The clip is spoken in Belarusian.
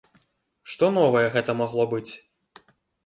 Што новае гэта магло быць?